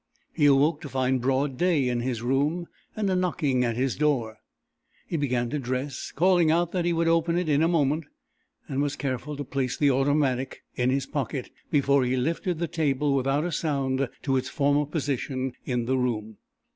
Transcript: He awoke to find broad day in his room and a knocking at his door. He began to dress, calling out that he would open it in a moment, and was careful to place the automatic in his pocket before he lifted the table without a sound to its former position in the room.